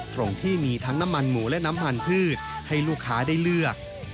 ตรงที่มีทั้งน้ำมันหมูและน้ำมันพืชให้ลูกค้าได้เลือก